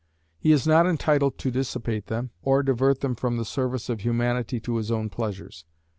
He is not entitled to dissipate them, or divert them from the service of Humanity to his own pleasures.